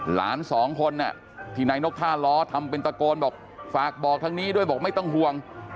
หลานสองคนที่นายนกท่าล้อทำเป็นตะโกนบอกฝากบอกทางนี้ด้วยบอกไม่ต้องห่วง